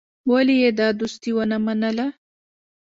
ولي يې دا دوستي ونه منله.